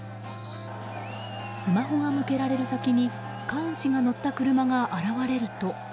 スマホが向けられる先にカーン氏が乗った車が現れると。